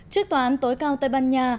trước tòa án tối cao tây ban nha